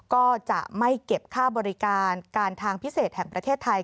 ก็จะไม่เก็บค่าบริการการทางพิเศษแห่งประเทศไทย